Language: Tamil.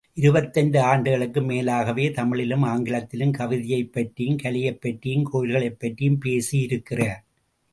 இருபத்தைந்து ஆண்டுகளுக்கும் மேலாகவே, தமிழிலும் ஆங்கிலத்திலும் கவிதையைப் பற்றியும், கலையைப் பற்றியும், கோயில்களைப் பற்றியும் பேசி இருக்கிறார்.